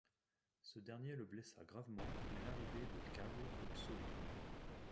Ce dernier le blessa gravement, mais l'arrivée de Cable le sauva.